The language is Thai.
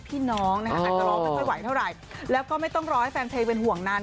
พี่น้องนะคะอาจจะร้องไม่ค่อยไหวเท่าไหร่แล้วก็ไม่ต้องรอให้แฟนเพลงเป็นห่วงนาน